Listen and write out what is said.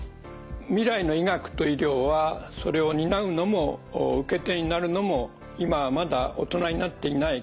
未来の医学と医療はそれを担うのも受け手になるのも今はまだ大人になっていない子どもたちです。